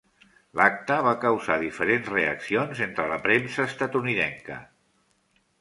L'acte va causar diferents reaccions entre la premsa estatunidenca.